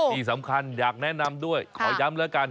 ที่สำคัญอยากแนะนำด้วยขอย้ำแล้วกัน